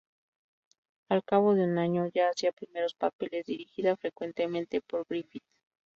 Al cabo de un año ya hacía primeros papeles, dirigida frecuentemente por Griffith.